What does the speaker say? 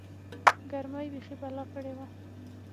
گرمۍ بيخي بلا کړې وه.